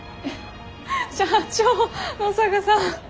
社長野坂さん。